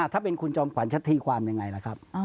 ถ้าเป็นคุณจอมขวัญชัดทีความยังไงล่ะครับ